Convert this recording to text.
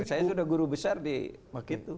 saya sudah guru besar di gitu